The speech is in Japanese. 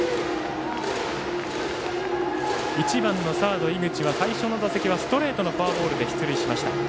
１番のサード、井口は最初の打席はストレートのフォアボールで出塁しました。